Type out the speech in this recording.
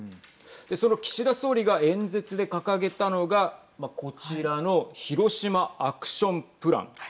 その岸田総理が演説で掲げたのが、こちらのヒロシマ・アクション・プラン。